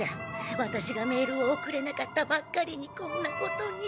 ワタシがメールを送れなかったばっかりにこんなことに。